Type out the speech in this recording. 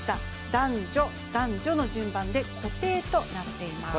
男、女、男、女の順番で固定となっています。